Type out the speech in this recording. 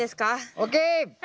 ＯＫ！